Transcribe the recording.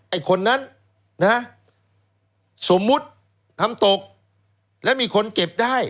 ไอ้คนนั้นนะสมมุติทำตกแล้วมีคนเก็บได้